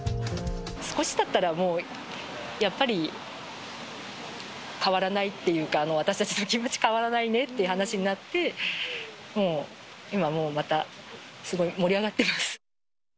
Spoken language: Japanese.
少したったら、もうやっぱり、変わらないっていうか、私たちの気持ち、変わらないねっていう話になって、もう今また、すごい盛り上がってます。